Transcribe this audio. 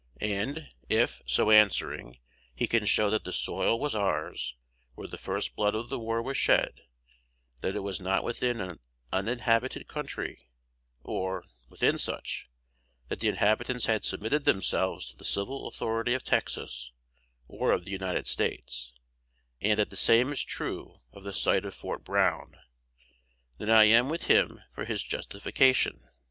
And if, so answering, he can show that the soil was ours where the first blood of the war was shed; that it was not within an inhabited country, or, if within such, that the inhabitants had submitted themselves to the civil authority of Texas, or of the United States, and that the same is true of the site of Fort Brown, then I am with him for his justification.